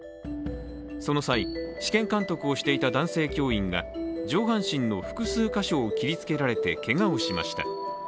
その際、試験監督をしていた男性教員が上半身の複数箇所を切りつけられてけがをしました。